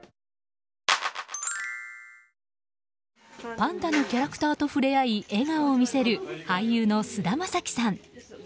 パンダのキャラクターとふれあい笑顔を見せる俳優の菅田将暉さん。